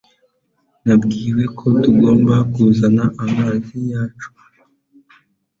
Nabwiwe ko tugomba kuzana amazi yacu